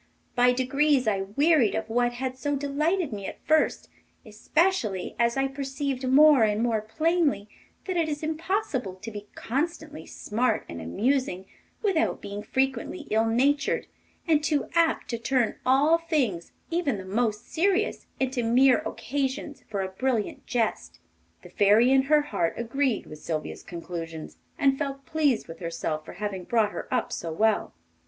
By degrees I wearied of what had so delighted me at first, especially as I perceived more and more plainly that it is impossible to be constantly smart and amusing without being frequently ill natured, and too apt to turn all things, even the most serious, into mere occasions for a brilliant jest.' The Fairy in her heart agreed with Sylvia's conclusions, and felt pleased with herself for having brought her up so well.